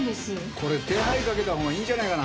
これ手配かけたほうがいいんじゃないかな。